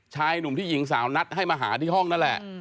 ชายหนุ่มที่หญิงสาวนัดให้มาหาที่ห้องนั่นแหละ